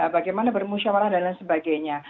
bagaimana bermusyawarah dan lain sebagainya